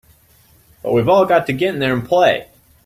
But we've all got to get in there and play!